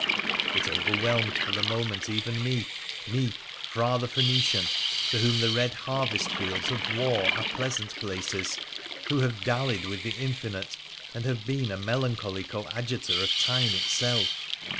It overwhelmed for the moment even me — me, Phra the Phoenician, to whom the red harvest fields of war are pleasant places, who have dallied with the infinite, and have been a melancholy coadjutor of Time itself.